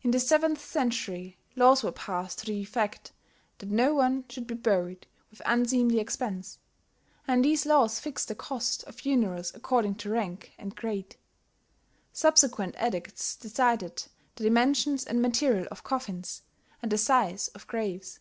In the seventh century laws were passed to the effect that no one should be buried with unseemly expense; and these laws fixed the cost of funerals according to rank and grade. Subsequent edicts decided the dimensions and material of coffins, and the size of graves.